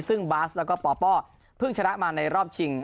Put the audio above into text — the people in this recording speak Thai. ซึ่งบาสแล้วก็ปปเพิ่งชนะมาในรอบชิง